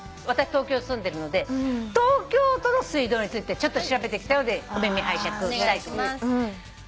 私東京に住んでるので東京都の水道についてちょっと調べてきたのでお耳拝借したいと思います。